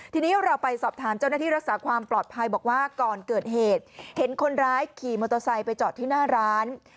ทีนี้เราไปสอบถามเจ้าหน้าที่รักษาความปลอดภัยบอกว่าก่อนเกิดเหตุเห็นคนร้ายขี่มอเตอร์ไซค์ไปจอดที่หน้าร้าน